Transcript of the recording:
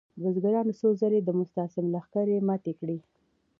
بزګرانو څو ځلې د مستعصم لښکرې ماتې کړې.